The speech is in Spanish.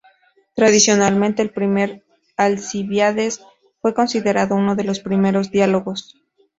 Tradicionalmente, el "Primer Alcibíades" fue considerado uno de los primeros diálogos.